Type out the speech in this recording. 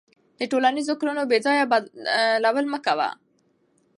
د ټولنیزو کړنو بېځایه بدلول مه کوه.